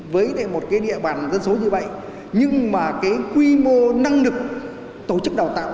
với một cái địa bàn dân số như vậy nhưng mà cái quy mô năng lực tổ chức đào tạo